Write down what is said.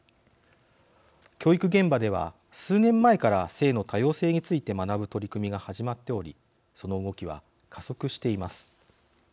教育現場では数年前から性の多様性について学ぶ取り組みが始まっておりその動きは加速しています。